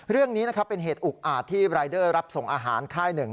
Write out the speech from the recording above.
เรื่องนี้นะครับเป็นเหตุอุกอาจที่รายเดอร์รับส่งอาหารค่ายหนึ่ง